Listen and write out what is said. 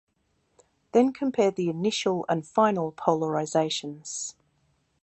Then compare the initial and final polarizations.